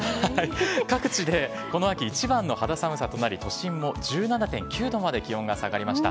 各地でこの秋一番の肌寒さとなり、都心も１７．９度まで気温が下がりました。